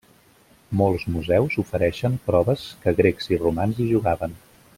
Molts museus ofereixen proves que Grecs i Romans hi jugaven.